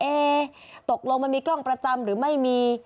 ตกลงมันมีกล้องประจำหรือไม่มี